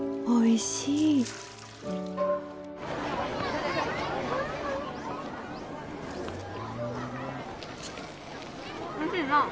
おいしいな？